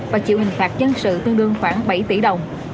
và chịu hình phạt dân sự tương đương khoảng bảy tỷ đồng